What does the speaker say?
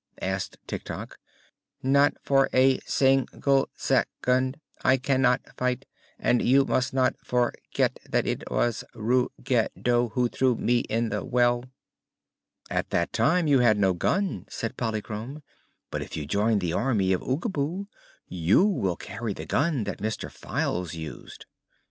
asked Tik Tok. "Not for a sin gle sec ond! I can not fight, and you must not for get that it was Rug ge do who threw me in the well." "At that time you had no gun," said Polychrome. "But if you join the Army of Oogaboo you will carry the gun that Mr. Files used."